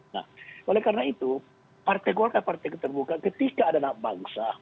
nah oleh karena itu partai golkar partai keterbukaan ketika ada anak bangsa